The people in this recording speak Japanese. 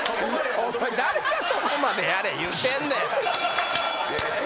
誰がそこまでやれ言うてんねん！